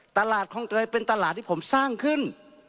ตลาดคลองเตยเป็นตลาดที่ผมสร้างขึ้น